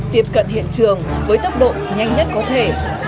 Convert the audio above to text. tiếp cận hiện trường với tốc độ nhanh nhất có thể